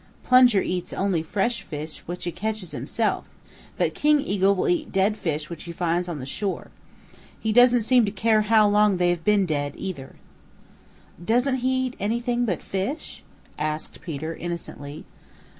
Plunger eats only fresh fish which he catches himself, but King Eagle will eat dead fish which he finds on the shore. He doesn't seem to care how long they have been dead either." "Doesn't he eat anything but fish?" asked Peter innocently.